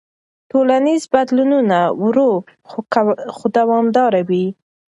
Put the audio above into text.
ټولنیز بدلونونه ورو خو دوامداره وي.